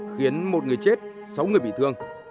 khiến một người chết sáu người bị thương